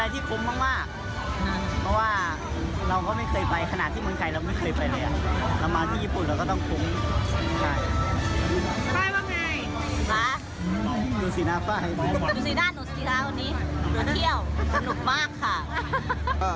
ดูซีด้านหนัวสกิลข้าวนี้มาเที่ยวประกับนุกมากค่ะ